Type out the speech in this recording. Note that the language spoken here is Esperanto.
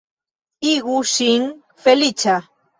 Igu ŝin feliĉa!